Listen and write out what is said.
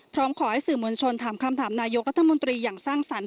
พร้อมขอให้สื่อมวลชนถามคำถามนายกรัฐมนตรีอย่างสร้างสรรค